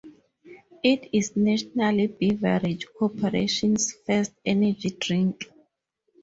It is National Beverage Corporation's first energy drink.